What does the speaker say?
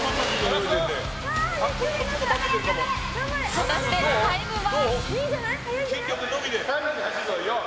果たしてタイムは。